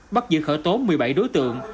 bắt giữ khởi tố một mươi bảy đối tượng